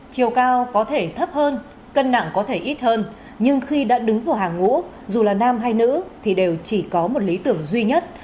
chiều cao có thể thấp hơn cân nặng có thể ít hơn nhưng khi đã đứng vào hàng ngũ dù là nam hay nữ thì đều chỉ có một lý tưởng duy nhất